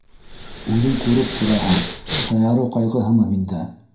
Үҙең күреп тораһың: шаярыу ҡайғыһымы миндә?